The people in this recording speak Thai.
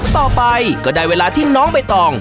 ต่อไปก็ได้เวลาที่น้องใบตอง